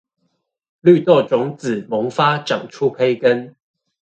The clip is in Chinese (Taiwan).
綠豆種子萌發長出胚根